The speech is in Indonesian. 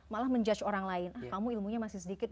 malah menjudge orang lain ah kamu ilmunya masih sedikit